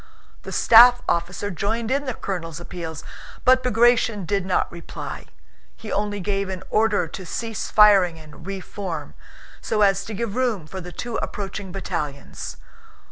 The staff officer joined in the colonel's appeals, but Bagratión did not reply; he only gave an order to cease firing and re form, so as to give room for the two approaching battalions.